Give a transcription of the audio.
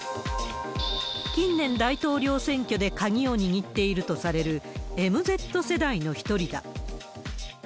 近年、大統領選挙で鍵を握っているとされる、ＭＺ世代の一人だ。